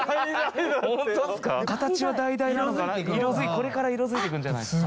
これから色づいていくんじゃないですか？